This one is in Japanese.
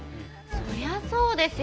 そりゃそうですよ。